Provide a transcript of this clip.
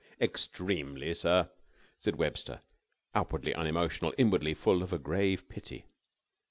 "Extremely, sir," said Webster, outwardly unemotional, inwardly full of a grave pity.